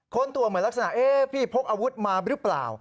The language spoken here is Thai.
ตัวเหมือนลักษณะพี่พกอาวุธมาหรือเปล่า